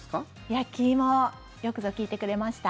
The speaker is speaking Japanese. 焼き芋よくぞ聞いてくれました。